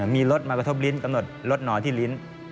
มีรถมากระทบลิ้นกำหนดรถนอนที่ลิ้น